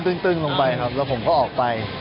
ตึ๊งน้อยลงไปนะครับแล้วผมก็ออกไป